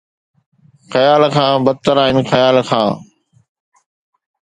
خيال کان بدتر آهن خيال کان